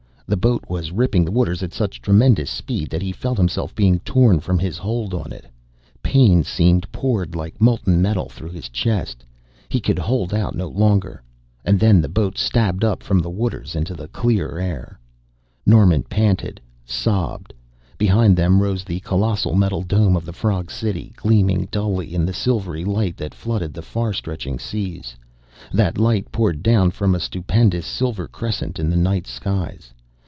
The boat was ripping the waters at such tremendous speed that he felt himself being torn from his hold on it. Pain seemed poured like molten metal through his chest he could hold out no longer; and then the boat stabbed up from the waters into clear air! Norman panted, sobbed. Behind them rose the colossal metal dome of the frog city, gleaming dully in the silvery light that flooded the far stretching seas. That light poured down from a stupendous silver crescent in the night skies.